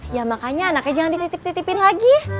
ya makanya anaknya jangan dititip titipin lagi